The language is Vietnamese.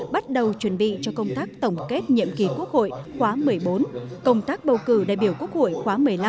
bắt đầu chuẩn bị cho công tác tổng kết nhiệm kỳ quốc hội khóa một mươi bốn công tác bầu cử đại biểu quốc hội khóa một mươi năm